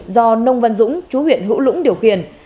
do nông văn dũng chú huyện hữu lũng điều khiển